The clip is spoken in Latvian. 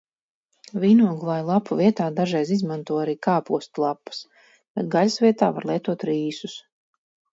Vīnogulāju lapu vietā dažreiz izmanto arī kāpostu lapas, bet gaļas vietā var lietot rīsus.